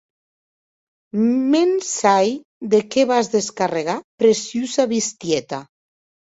Me’n sai de qué vas a descargar, preciosa bestieta.